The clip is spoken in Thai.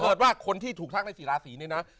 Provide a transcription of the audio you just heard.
เพราะว่าคนที่ถูกทรักในศรีราษีนี้นะ